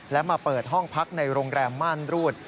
และมาเปิดห้องพักในโรงแรมม่านรูด